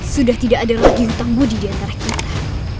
sudah tidak ada lagi utang budi diantara kita